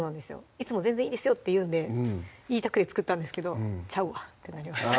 いつも「全然いいですよ」って言うんで言いたくて作ったんですけどちゃうわってなりました